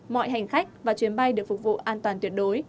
mọi hành khách và chuyến bay được phục vụ an toàn tuyệt đối